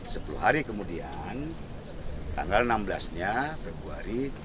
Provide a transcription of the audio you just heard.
sepuluh hari kemudian tanggal enam belasnya februari